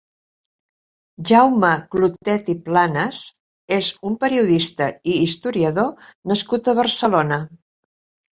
Jaume Clotet i Planas és un periodista i historiador nascut a Barcelona.